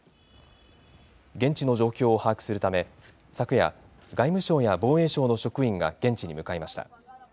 現地の状況を把握するため、昨夜、外務省や防衛省の職員が現地に向かいました。